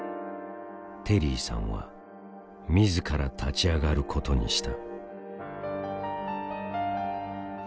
テリーさんは自ら立ち上がることにした。